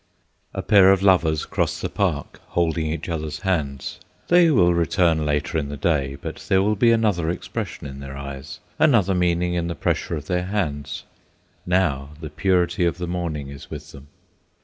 A pair of lovers cross the park, holding each other's hands. They will return later in the day, but there will be another expression in their eyes, another meaning in the pressure of their hands. Now the purity of the morning is with them.